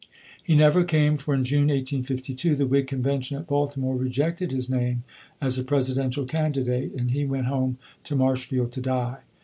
He never came; for in June, 1852, the Whig convention at Baltimore rejected his name as a Presidential candidate, and he went home to Marshfield to die.